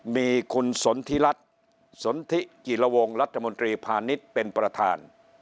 มีคุณสนทิรัฐสนทิกิลวงรัฐมนตรีพาณิชย์เป็นประธาน